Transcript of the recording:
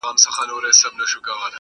چي اسمان پر تندي څه درته لیکلي-